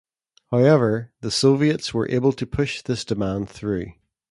However, the Soviets were able to push this demand through.